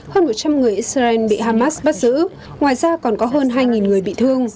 hơn một trăm linh người israel bị hamas bắt giữ ngoài ra còn có hơn hai người bị thương